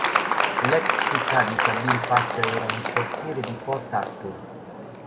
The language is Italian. L'ex città di Sabine Pass è ora un quartiere di Port Arthur.